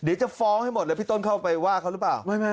เดี๋ยวจะฟ้องให้หมดเลยพี่ต้นเข้าไปว่าเขาหรือเปล่า